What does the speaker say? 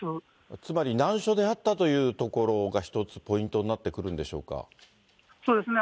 つまり、難所であったというところが一つポイントになってくるんでしょうそうですね。